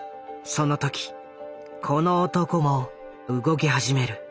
その時この男も動き始める。